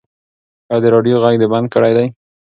ایا د راډیو غږ دې بند کړی دی؟